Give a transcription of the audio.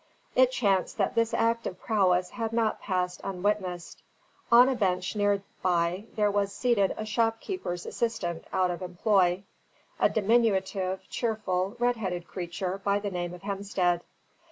It chanced that this act of prowess had not passed unwitnessed. On a bench near by there was seated a shopkeeper's assistant out of employ, a diminutive, cheerful, red headed creature by the name of Hemstead.